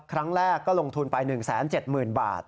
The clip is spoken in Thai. ครั้งแรกก็ลงทุนไป๑๗๐๐๐บาท